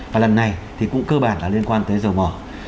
và lần này thì cũng cơ bản là liên quan tới dầu mỏ